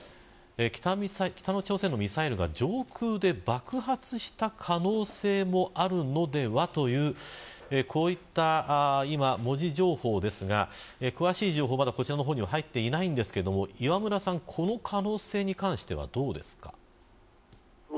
北朝鮮のミサイルが上空で爆発した可能性もあるのでは、という文字情報ですが詳しい情報がまだこちらに入っていませんが磐村さん、この可能性に関してはどうですか。